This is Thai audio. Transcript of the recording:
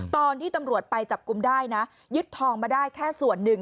ตอนที่ตำรวจไปจับกลุ่มได้นะยึดทองมาได้แค่ส่วนหนึ่ง